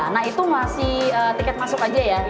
nah itu masih tiket masuk aja ya